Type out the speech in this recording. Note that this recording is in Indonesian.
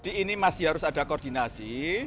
ini masih harus ada koordinasi